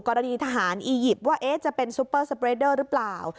กรณีทหารอียิปต์ว่าจะเป็นซุปเปอร์สเปรดเดอร์หรือเปล่า